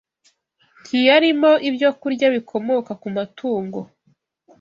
ntiyarimo ibyokurya bikomoka ku matungo.